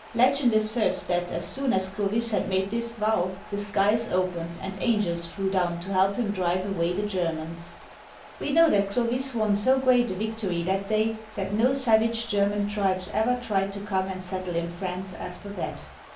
Legend asserts that as soon as Clovis had made this vow, the skies opened, and angels flew down to help him drive away the Germans. We know th^t Clovis won so great a victory that day that no savage German tribes ever tried to come and settle in France after that.